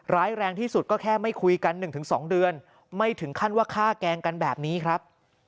ร้ายแรงที่สุดก็แค่ไม่คุยกัน๑๒เดือนไม่ถึงขั้นว่าฆ่าแกล้งกันแบบนี้ครับ